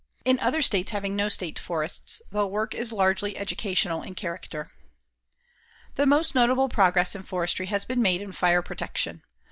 In other states having no state forests, the work is largely educational in character. The most notable progress in forestry has been made in fire protection.